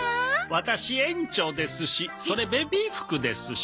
ワタシ園長ですしそれベビー服ですし。